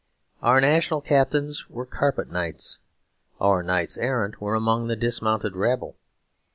Our national captains were carpet knights; our knights errant were among the dismounted rabble.